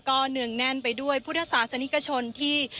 ก็เนื่องแน่นไปด้วยผู้ทศาสนิกชนที่